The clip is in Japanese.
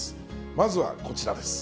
まずはこちらです。